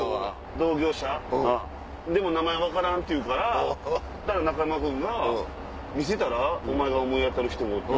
「同業者でも名前分からん」って言うからそしたら中山君が「見せたら？お前が思い当たる人を」って。